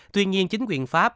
tuy nhiên chính quyền pháp